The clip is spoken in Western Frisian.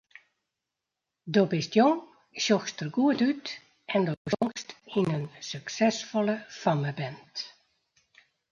Do bist jong, sjochst der goed út en do sjongst yn in suksesfolle fammeband.